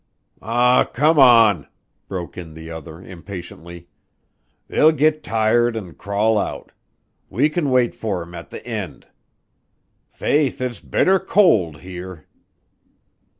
"Aw, come on!" broke in the other, impatiently. "They'll git tired and crawl out. We can wait for thim at th' ind. Faith, ut's bitter cowld here."